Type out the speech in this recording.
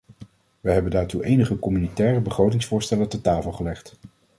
Wij hebben daartoe enige communautaire begrotingsvoorstellen ter tafel gelegd.